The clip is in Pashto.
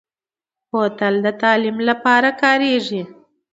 بوتل د تعلیم لپاره هم کارېږي.